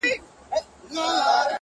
زه خو د وخت د بـلاگـانـــو اشـنا’